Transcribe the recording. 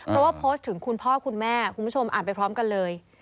เพราะว่าโพสต์ถึงคุณพ่อคุณแม่คุณผู้ชมอ่านไปพร้อมกันเลย